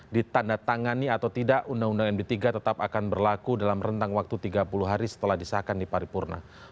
ditanda tangani atau tidak undang undang md tiga tetap akan berlaku dalam rentang waktu tiga puluh hari setelah disahkan di paripurna